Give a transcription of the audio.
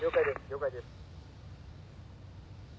了解です。